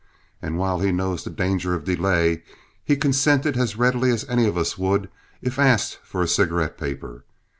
And while he knows the danger of delay, he consented as readily as any of us would if asked for a cigarette paper.